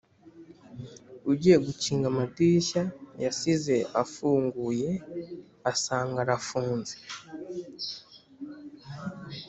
agiye gukinga amadirishya yasize afunguye asanga arafunze.